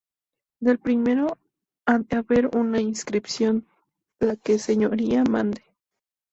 Del primero a de haber una inscripción, la que Señoría mande.